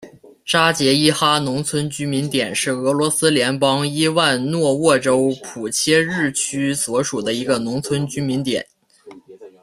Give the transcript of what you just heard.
扎捷伊哈农村居民点是俄罗斯联邦伊万诺沃州普切日区所属的一个农村居民点。